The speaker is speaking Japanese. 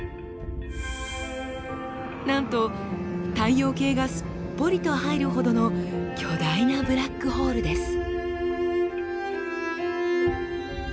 なんと太陽系がすっぽりと入るほどの巨大なブラックホールです。